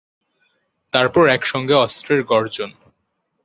তারপর একসঙ্গে অস্ত্রের গর্জন।